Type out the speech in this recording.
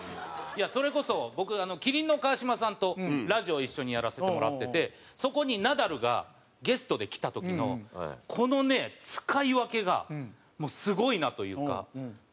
いやそれこそ僕麒麟の川島さんとラジオ一緒にやらせてもらっててそこにナダルがゲストで来た時のこのね使い分けがもうすごいなというか。